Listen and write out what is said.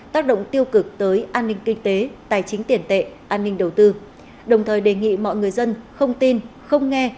tác động tiêu cực tới an ninh kinh tế tài chính tiền tệ an ninh đầu tư đồng thời đề nghị mọi người dân không tin không nghe